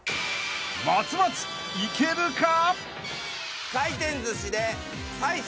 ［松松いけるか？］